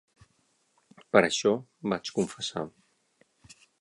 Per això vaig confessar.